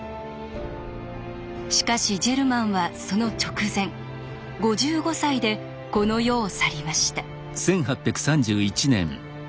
しかしジェルマンはその直前５５歳でこの世を去りました。